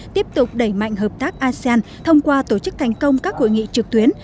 tiếp tục đẩy mạnh hợp tác asean thông qua tổ chức thành công các hội nghị trực tuyến